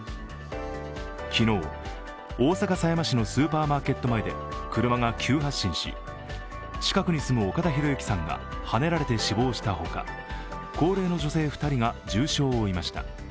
昨日、大阪狭山市のスーパーマーケット前で、車が急発進し、近くに住む岡田博行さんがはねられて死亡したほか高齢の女性２人が重傷を負いました。